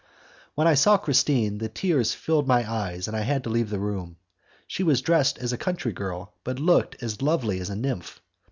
When I saw Christine, the tears filled my eyes, and I had to leave the room. She was dressed as a country girl, but looked as lovely as a nymph.